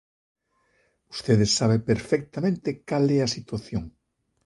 Vostede sabe perfectamente cal é a situación.